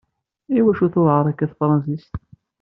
Iwacu tewɛer akka tefransist?